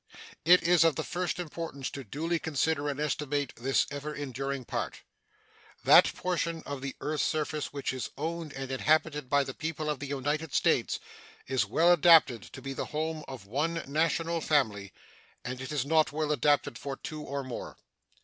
It is of the first importance to duly consider and estimate this ever enduring part. That portion of the earth's surface which is owned and inhabited by the people of the United States is well adapted to be the home of one national family, and it is not well adapted for two or more.